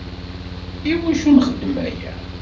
Iwacu nxeddem aya?